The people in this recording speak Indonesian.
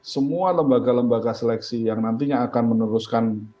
semua lembaga lembaga seleksi yang nantinya akan meneruskan